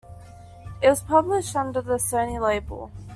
It was published under the Sony label.